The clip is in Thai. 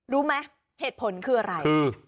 รู้ไหมเหตุผลคืออะไร